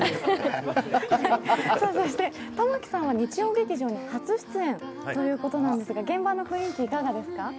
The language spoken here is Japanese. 玉木さんは日曜劇場に初出演ということなんですが、現場の雰囲気、いかがですか？